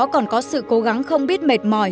còn có sự cố gắng không biết mệt mỏi